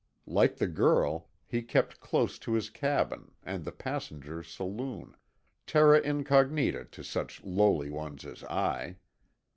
Like the girl, he kept close to his cabin and the passengers' saloon—terra incognita to such lowly ones as I.